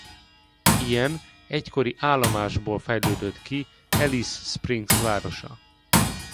Ilyen egykori állomásból fejlődött ki Alice Springs városa.